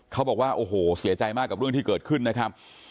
เขาบอกว่าโอ้โหเสียใจมากกับเรื่องที่เกิดขึ้นนะครับ